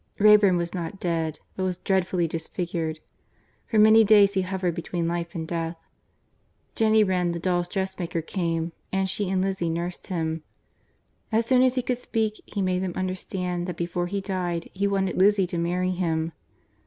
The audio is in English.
Wrayburn was not dead, but was dreadfully disfigured. For many days he hovered between life and death. Jennie Wren, the dolls' dressmaker, came, and she and Lizzie nursed him. As soon as he could speak he made them understand that before he died he wanted Lizzie to marry him.